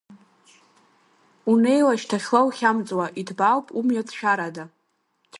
Унеила, шьҭахьла ухьамҵуа, иҭбаауп умҩа ҭшәарада.